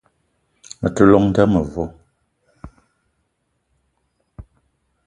Me te llong n'da mevo.